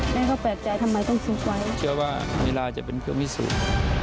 แม่เขาแปลกใจทำไมต้องซื้อไว้เชื่อว่าเวลาจะเป็นเครื่องวิสุทธิ์